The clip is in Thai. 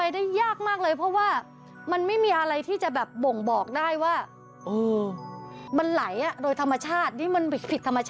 มันเป็นไปได้ยากมากเลยเพราะว่ามันไม่มีอะไรที่จะแบบบ่งบอกได้ว่ามันไหลโดยธรรมชาติ